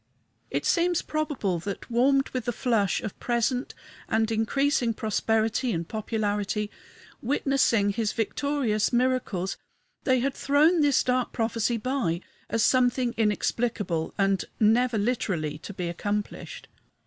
It seems probable that, warmed with the flush of present and increasing prosperity and popularity, witnessing his victorious miracles, they had thrown this dark prophecy by, as something inexplicable and never literally to be accomplished.